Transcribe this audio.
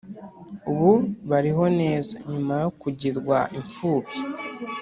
ubu bariho neza nyuma yo kugirwa imfubyi